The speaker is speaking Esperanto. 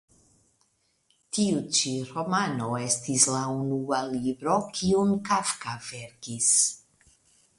Tiu ĉi romano estis la unua libro kiun Kafka verkis.